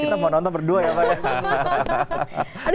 kita mau nonton berdua ya pak ya